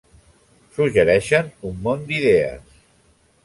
Suggereixen un món d'idees.